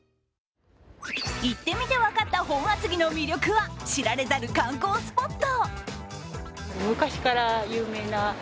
行ってみて分かった本厚木の魅力は知られざる観光スポット。